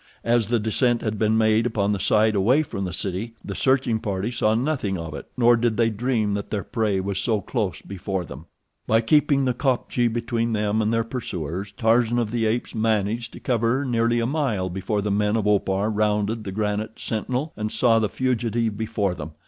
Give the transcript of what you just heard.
As the descent had been made upon the side away from the city, the searching party saw nothing of it, nor did they dream that their prey was so close before them. By keeping the kopje between them and their pursuers, Tarzan of the Apes managed to cover nearly a mile before the men of Opar rounded the granite sentinel and saw the fugitive before them.